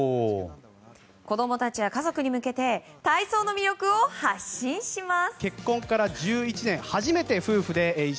子供たちや家族に向けて体操を魅力を発信します。